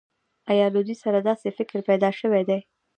آیا له دوی سره داسې فکر پیدا شوی دی